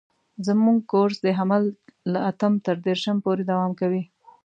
زموږ کورس د حمل له اتم تر دېرشم پورې دوام کوي.